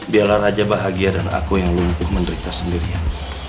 biarlah raja bahagia dan aku yang lumpuh menderita sendirian